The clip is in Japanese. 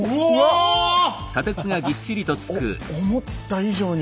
おっ思った以上に。